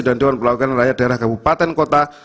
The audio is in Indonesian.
dan dewan pelawakan rakyat daerah kabupaten kota